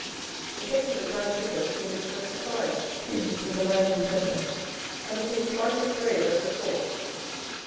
The face of the Grand Vicar soon expressed surprise, tinged with a lively pleasure, and became twice as grave as before.